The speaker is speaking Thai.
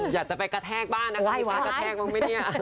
อยากจะไปกระแทกบ้านนะคะพี่ฟ้ากระแทกบ้างไหมเนี่ย